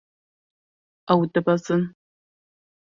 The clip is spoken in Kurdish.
Ew dibezin.